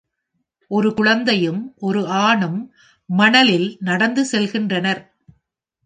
ஒரு குழந்தையும், ஒரு ஆணும் மணலில் நடந்து செல்கின்றனர்.